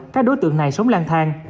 các đối tượng này sống lang thang